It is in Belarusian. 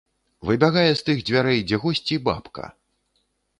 Выбягае з тых дзвярэй, дзе госці, бабка.